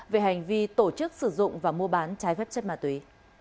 về hành vi tổ chức sử dụng và mua bán trái phép chất ma túy